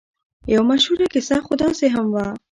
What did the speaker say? یوه مشهوره کیسه خو داسې هم وه.